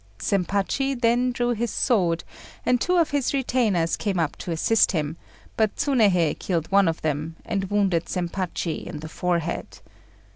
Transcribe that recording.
Zempachi then drew his sword, and two of his retainers came up to assist him; but Tsunéhei killed one of them, and wounded Zempachi in the forehead.